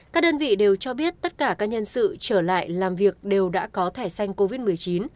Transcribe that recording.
các đơn vị đều cho biết tất cả các nhân sự trở lại làm việc đều đã có thẻ xanh covid một mươi chín